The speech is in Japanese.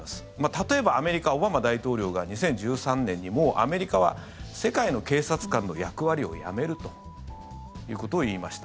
例えばアメリカ、オバマ大統領が２０１３年にもうアメリカは世界の警察官の役割をやめるということを言いました。